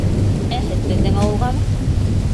— Ә һеҙ беҙҙең ауылғамы?